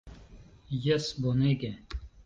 Jes bonege!